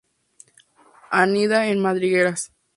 Anida en madrigueras.